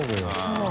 そう。